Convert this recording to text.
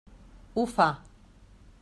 Ho fa.